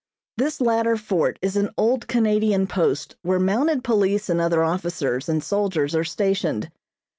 This latter fort is an old Canadian Post where mounted police and other officers and soldiers are stationed.